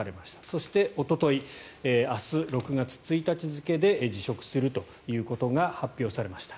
そして、おととい明日６月１日付で辞職するということが発表されました。